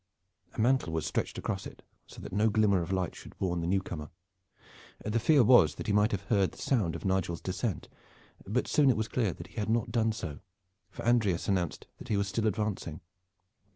A mantle was stretched across it, so that no glimmer of light should warn the new comer. The fear was that he might have heard, the sound of Nigel's descent. But soon it was clear that he had not done so, for Andreas announced that he was still advancing.